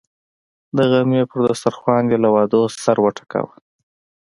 د غرمې پر دسترخان یې له وعدو سر وټکاوه.